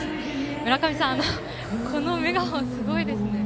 むらかみさん、このメガホンすごいですね。